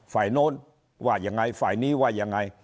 โน้นว่ายังไงฝ่ายนี้ว่ายังไง